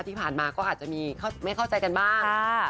ที่ผ่านมาก็อาจจะมีไม่เข้าใจกันบ้าง